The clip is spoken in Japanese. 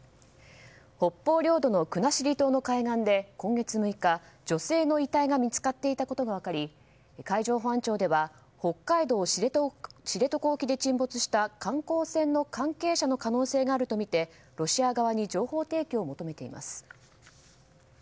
北方領土の国後島の海岸で女性の遺体が見つかっていたことが分かり海上保安庁では北海道知床沖で沈没した観光船の関係者の可能性があるとみてロシア側に情報提供を求めています。